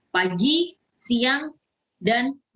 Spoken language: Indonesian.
pagi siang dan maksudnya